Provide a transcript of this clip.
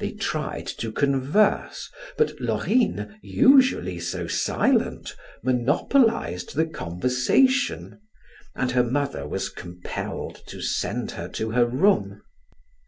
They tried to converse, but Laurine, usually so silent, monopolized the conversation, and her mother was compelled to send her to her room.